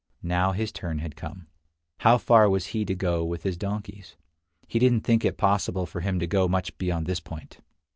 Now his turn had come. How far was he to go with his donkeys? — he didn't think it possible for him to go much beyond this point.